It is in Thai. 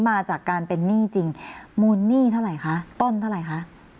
มาจากการเป็นหนี้จริงมูลหนี้เท่าไหร่คะต้นเท่าไหร่คะ